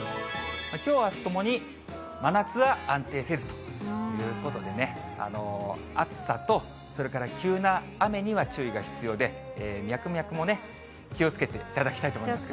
きょう、あすともに真夏は安定せずということでね、暑さとそれから急な雨には注意が必要で、ミャクミャクもね、気をつけていただきたいと思います。